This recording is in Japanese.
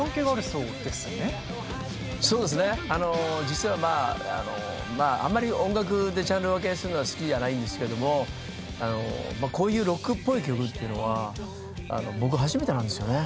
そうですね、実はあまり音楽でジャンル分けをするのは好きじゃないんですけどこういうロックっぽい曲というのは僕は初めてなんですよね。